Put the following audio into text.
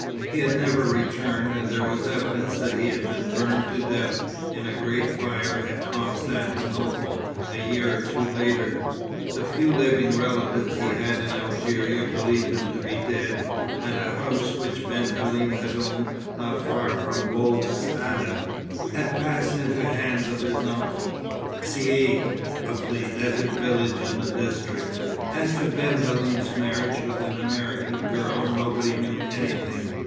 He had never returned, and there was evidence that he had been burned to death in a great fire at Constantinople a year or two later. The few living relatives he had in Algeria believed him to be dead; and a house which Ben Halim had owned not far from Bou Saada, had passed into the hands of his uncle, Caïd of a desert village in the district. As to Ben Halim's marriage with an American girl, nobody knew anything.